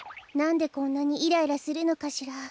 なんでこんなにイライラするのかしら。